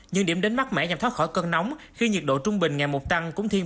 những điểm đến mát mẻ nhằm thoát khỏi cơn nóng khi nhiệt độ trung bình ngày một tăng cũng thiêng